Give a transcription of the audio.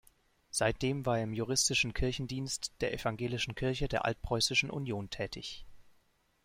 Seitdem war er im juristischen Kirchendienst der Evangelischen Kirche der Altpreußischen Union tätig.